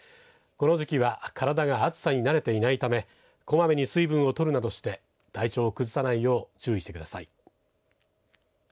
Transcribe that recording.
この時期は体が暑さに慣れていないためこまめに水分をとるなどして体調を崩さないよう注意してください。